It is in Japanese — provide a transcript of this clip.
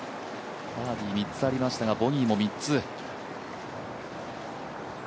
バーディー３つありましたが、ボギーも３つ。